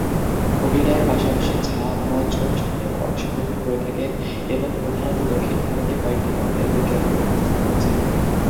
অভিনয়ের পাশাপাশি ঝা মঞ্চ অনুষ্ঠানেও অংশগ্রহণ করে থাকেন এবং প্রধানত দক্ষিণ ভারতে কয়েকটি পণ্যের বিজ্ঞাপনে উপস্থিত হয়েছেন।